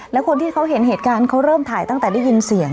แล้วคนที่เขาเห็นเหตุการณ์เขาเริ่มถ่ายตั้งแต่ได้ยินเสียง